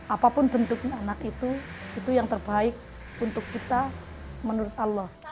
apapun bentuknya anak itu itu yang terbaik untuk kita menurut allah